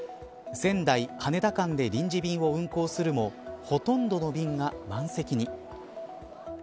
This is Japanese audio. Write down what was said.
仙台、羽田間で臨時便を運航するもほとんどの便が満席に。